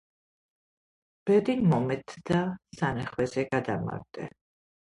ბედი მომეც და სანეხვეზე გადამაგდე